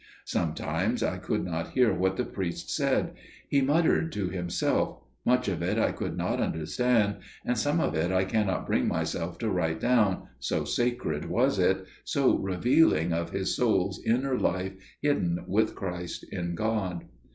Sometimes I could not hear what the priest said: he muttered to himself: much of it I could not understand: and some of it I cannot bring myself to write down––so sacred was it––so revealing of his soul's inner life hidden with Christ in God.